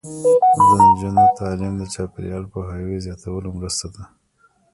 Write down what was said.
د نجونو تعلیم د چاپیریال پوهاوي زیاتولو مرسته ده.